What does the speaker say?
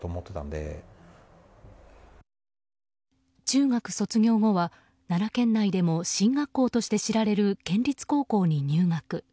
中学卒業後は奈良県内でも進学校として知られる県立高校に入学。